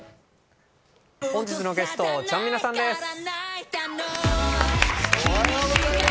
本日のゲスト、ちゃんみなさんです。